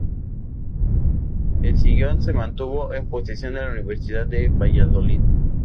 El sillón se mantuvo en posesión de la Universidad de Valladolid.